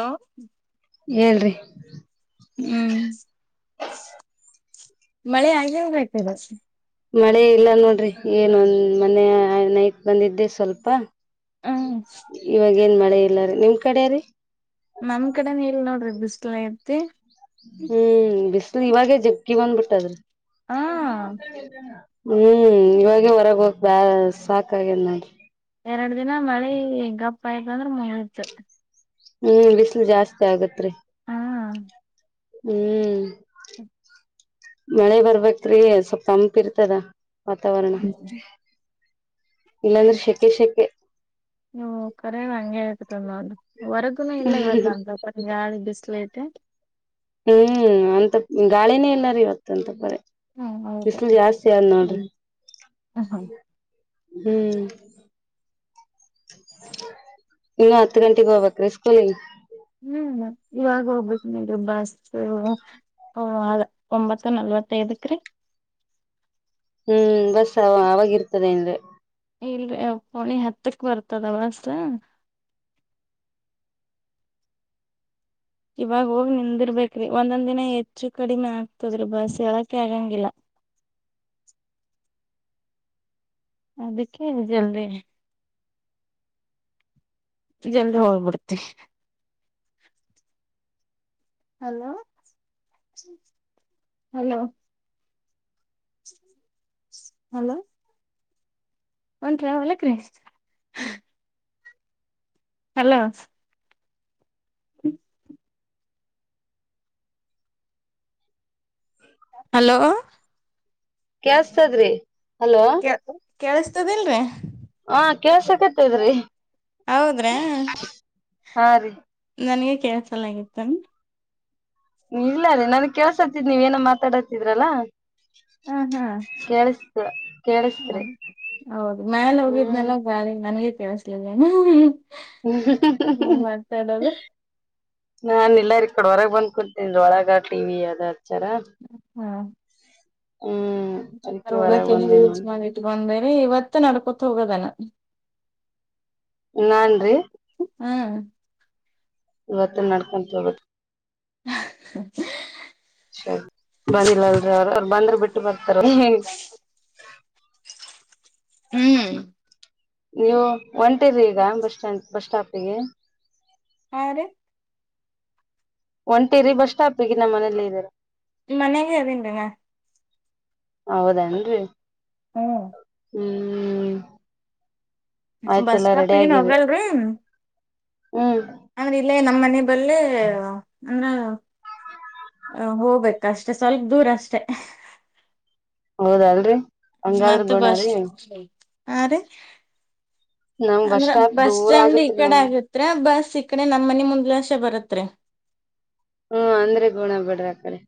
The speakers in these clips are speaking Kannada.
ಹ ಹೇಳ್ರಿ ಹ್ಮ್ ಮಳೆ ಆಗೇ [unintelligible] ಮಳೆ ಇಲ್ಲ ನೋಡ್ರಿ ಏನೊಂದ ಮನ್ನೇ ನೈಟ್ ಬಂದಿದ್ದೆ ಸ್ವಲ್ಪ. ಹ್ಮ್ ಇವಾಗೇನ್ ಮಾಡ್ ಇಲ್ಲ ರೀ ನಿಮ್ ಕಡೆ ರೀ ನಮ್ ಕಡೆನು ಇಲ್ ನೋಡ್ರಿ ಬಿಸ್ಲ ಐತಿ. ಹ್ಮ್ ಬಿಸ್ಲು ಇವಾಗೇ ಜಗ್ಗಿ ಬಂದ್ಬಿಟ್ಟದ್ರಿ ಹ [unintelligible] ಹ್ಮ್ ಇವಾಗೆ ಹೊರಗ ಹೋಗ್ ಬ ಸಾಕಾಗ್ಯದ್ ನೋಡ್ರಿ. ಎರಡು ದಿನ ಮಳೆ ಏ ಗಪ್ ಪ್ಪಾಯತಂದ್ರೆ ಮುಗೀತ್. ಹ್ಮ್ ಬಿಸಿಲು ಜಾಸ್ತಿ ಆಗತ್ರಿ. ಹಾ ಹ್ಮ್ ಮಳೆ ಬರ್ಬೇಕ್ರೀ ಸ್ವಲ್ಪ್ ತಂಪ್ ಇರ್ತದ. ವಾತಾವರಣ. ಹ್ಮ್ ಇಲ್ಲಾಂದ್ರೆ ಶೆಕೆ ಶೆಕೆ ನೀವು ಕರೆನ ಹಂಗೆ ಐತತನ್ ಮಾಡು. ಹೊರಗುನು ಇಲ್ಲ ಇವತ್ ನ [unintelligible] [unintelligible] ಹ್ಮ್ ಅಂತ ಗಾಳಿನೇ ಎಲ್ಲಾರೂ ಇವತ್ತಂತ ಪರಿ ಹ್ಮ ಹೌದು ಬಿಸಿಲು ಜಾಸ್ತಿ ಆದ ನೋಡ್ರಿ. ಹ್ಮ್ ಹ ಹ್ಮ್ ಹ್ಮ್ ಇನ್ನು ಹತ್ ಗಂಟೆಗ್ ಹೋಗ್ಬೇಕ್ರಿ ಸ್ಕೂಲಿಗ್ ಇಲ್ಲ ಇವಾಗ ಹೋಗ್ಬೇಕ ನೋಡ್ರಿ ಬಸ್ಸು ಅ ಒಂಬತ್ತು ನಲ್ವತ್ತೈದಕ್ರಿ. ಹ್ಮ್ ಬಸ್ಸು ಅವ ಅವವಾಗಿರ್ತದೇನ್ [unintelligible] ಇಲ್ರಿ ಪೋಳಿ ಹತ್ತಕ್ ಬರ್ತದ ಬಸ್ ಇವಾಗ ಹೋಗಿ ನಿಂದಿರ್ಬೇಕ್ರಿ ಒಂದೊಂದ್ ದಿನ ಹೆಚ್ಚು ಕಡಿಮೆ ಆಗ್ತದ್ರಿ ಬಸ್ ಹೇಳಕ್ಕೆ ಆಗಂಗಿಲ್ಲ. ಅದಿಕ್ಕೆ ಜಲ್ದಿ ಜಲ್ದ್ ಹೋಗ್ಬಿಡ್ತಿವಿ. ಹಲೋ ಹಲೋ ಹಲೋ ಒಂಟ್ರ ಹೊಲಕ್ರಿ ಹ್ ಹಲೋ [inaudible] ಹಲೋ ಕೇಳ್ಸ್ತದ್ರಿ. ಹಲೋ ಕೇಳಿಸ್ತದಿಲ್ರಿ ಹಾ ಕೆಳ್ಸ ಕತ್ತದ್ರಿ ಹೌದ್ರಾ ಹಾ ರೀ ಕೇಳ್ಸಲಾಗೈತೆನ್ ಇಲ್ಲ ರಿ ನನ್ಗ್ ಕೆಳ್ಸತ್ತಿದ್ ನೀವ್ ಏನೋ ಮಾತಾಡ ಇದ್ರಲ್ಲಾ ಹಾ ಕೇಳ್ಸ್ [unintelligible] ಹ ಹೌದು ಮ್ಯಲೆ ಹ್ಮ್ ಹೋಗಿದ್ನೆಲ್ಲ ಬಳಿ ನನ್ಗೇ ಕೇಳಿಸ್ಲೈಲ್ಲೇನು ಹ್ ಹ್ ಹ್ಮ್ ಹ್ ಹ್ ಹ್ ಹ್ಮ್ ನಾನ್ ಇಲ್ಲಾರ್ ಈ ಕಡೆ ಹೊರಗೆ ಬಂದ್ ಕುತೀನ್ರೀ ಒಳಗ ಟಿವಿ ಅದ ಚರ [unintelligible] ಮಾಡಿಟ್ಕೊಂಡ್ರಿ ಏಯ್ ಇವತ್ತು ನಡ್ಕೊತ್ ಹೋಗೋದೆನ. ನಾನ್ರೀ ಹ್ಮ್ ಇವತ್ತೂ ನಡ್ಕೊಂತ್ ಹೋಬೇಕ್ ಅಹ್ ಹ್ ಹ್ಮ್ ಸರಿ ಬನ್ನಿಲ್ಲಲ್ರಿ ಅವ್ರು ಅವ್ರ್ ಬಂದ್ರೆ ಬಿಟ್ [unintelligible] [unintelligible] ಹ್ಮ್ ನೀವು ಒಂಟಿರ್ರಿ ಈಗ ಬಸ್ಸ್ಟಾಂಡ್ ಬಸ್ ಸ್ಟಾಪಿಗೆ. ಹಾ ರಿ ಒಂಟೇರಿ ಬಸ್ ಸ್ಟಾಪಿಗೆ ನಮ್ ಮನೇಲೇ ಇದ್ದಾರೆ. ಮನೆಗೆ ಅಲ್ಲಿಂದನ? ಹೌದೇನ್ರಿ ಹ್ಮ್ ಹ್ಮ್ ಹ್ಮ್ ಬಸ್ ಸ್ಟಾಪಿಗೇನು ಹೋಗಲ್ರಿ. ಹ್ಮ್ ಅಂದ್ರೆ ಇಲ್ಲೇ ನಮ್ಮನೆ ಬಲ್ಲೆಯ ಅಂದ್ರೆ ಹೋಗ್ಬೇಕ ಅಷ್ಟೆ ಸ್ವಲ್ಪ ದೂರ ಅಷ್ಟೆ ಅಹ್ ಹ್ ಹೌದಲ್ರಿ ಹಂಗಾದ್ರ ಮತ್ತು ಗುಣ ಬಸ್ ರೀ ಹಾ ರಿ ನಮ್ ಅಂದ್ರ ಸ್ಟಾಪ್ ಬಸ್ ದೂರ ಸ್ಟ್ಯಾಂಡ್ ಈ ಆಗತ್ರಿ ಕಡೆ ನಮ್ಗ್ ಆಗತ್ರೆ ಬಸ್ ಸಿಕ್ಕಣೆ ನನ್ ಮನೆ ಮುಂದ್ ಅಶ್ಲೇ ಬರತ್ರಿ. ಹ್ಮ ಅಂದ್ರೆ ಗುಣ ಬಿಡ್ರಿ ಆಕಡೆ.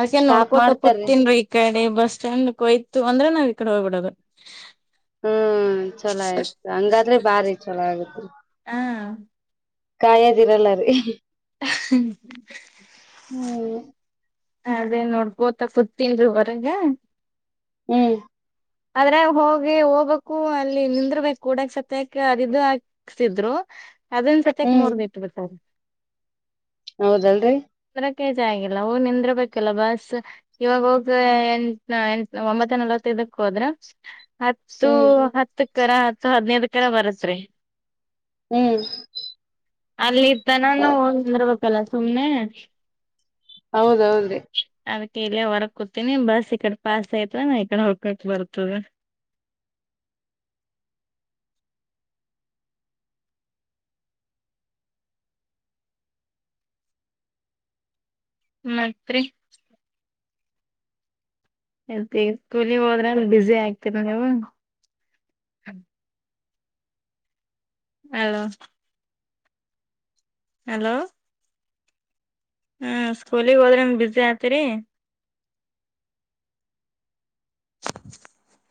ಅದ್ಕೇನ್ ಸ್ಟಾಪ್ ನೋಡ್ಕೋತ ಮಾಡ್ತಾರೀ ಕೋತನ್ ಈ ಕಡೆ ಬಸ್ ಸ್ಟ್ಯಾಂಡ್ ಹೋಯ್ತು ಅಂದ್ರೆ ನಾವ್ ಈ ಕಡೆ ಹೋಗ್ಬಿಡೋಗ ಹ್ಮ್ ಚಲೋ ಆಯ್ತು ಹಂಗಾದ್ರೆ ಭಾರಿ ಚಲೋ ಆಗತ್ರಿ ಹ ಕಾಯದಿರಲ್ಲ ರೀ ಹಃ ಹ್ಮ್ ಹಾ ಅದೇ ನೋಡ್ಕೊತ ಕೂತನ್ರೀ ಹೊರ್ಗ ಹ್ಮ್ ಆದ್ರೆ ಹೋಗಿ ಹೋಗ್ಬೇಕು ಅಲ್ಲಿ ನಿಂದರ್ಬೇಕು ಕೂಡಕ್ ಸತ್ಯಕ್ಕೆ ಅದು ಹಾಕ್ತಿದ್ರು ಅದೊನ್ ಸತ್ಯಕ್ ಮೂರ್ದ ಇಟ್ಟು ಬಿತಾರ ಹೌದಲ್ರರಿ ಕಾಗೆಜ್ ಆಗಿಲ್ಲ ಹೋಗ್ ನಿಂದರಬೇಕಲ್ಲ ಬಸ್ ಇವಾಗ್ ಹೋಗ್ ಎ ಒಂಬತ್ತ ನಲ್ವತೈದ್ ಕೊದ್ರ ಹತ್ತು ಹ್ಮ್ ಹತ್ ಕರ ಹತ್ತು ಹದ್ನೈದ ಕರ ಬರತ್ರಿ ಹ್ಮ್ ಅಲ್ಲಿ ತನಾನು ಒಂದ್ರ ಕಲ ಸುಮ್ಮನೆ ಹೌದೌದ್ರಿ ಅದಕ್ಕೆ ಇಲ್ಲಯೇ ಹೊರ ಕೂತಿನಿ ಬಸ್ ಈ ಕಡೆ ಪಾಸ್ ಆಯ್ತಾ ನಾ ಈಡೆ ಹೋಗ್ ಕಟ್ ಬರ್ತದೆ ಮತ್ರಿ ಅದೆ ಸ್ಕೂಲಿ ಹೋದ್ರ ಅ ಬಿಸಿ ಆಗ್ತಿರ ನೀವು ಹಲೋ ಹಲೋ ಹ್ಮ್ ಸ್ಕೂಲಗ್ ಹೋದ್ರೆಮ ಬಝಿ ಆತಿರಿ [inaudible]